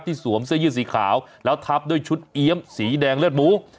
สวมเสื้อยืดสีขาวแล้วทับด้วยชุดเอี๊ยมสีแดงเลือดหมู